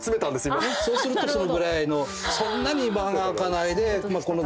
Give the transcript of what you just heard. そうするとそのぐらいのそんなに間が空かないでこの。